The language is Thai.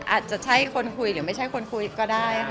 อาจจะใช่คนคุยหรือไม่ใช่คนคุยก็ได้ค่ะ